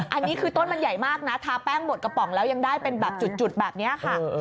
อันนี้คือต้นมันใหญ่มากนะทาแป้งหมดกระป๋องแล้วยังได้เป็นแบบจุดแบบนี้ค่ะ